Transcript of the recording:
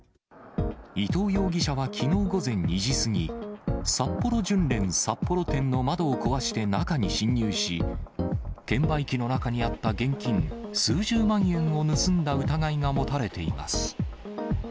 伊藤容疑者はきのう午前２時過ぎ、さっぽろ純連札幌店の窓を壊して、中に侵入し、券売機の中にあった現金数十万円を盗んだ疑いが持たれています。